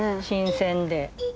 新鮮で。